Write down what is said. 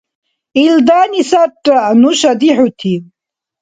Илдани сарра нуша дихӏути!